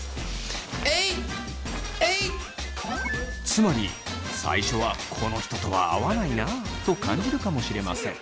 つまり最初はこの人とは合わないなと感じるかもしれません。